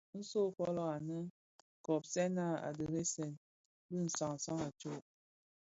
Nso folō anèn, kobsèna a dheresèn bi sansan a tsok.